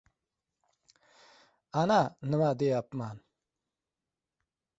Ana, nima deyapman!